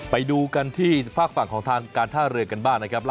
ไปดูกันที่ฝากฝั่งของทางการท่าเรือกันบ้างนะครับ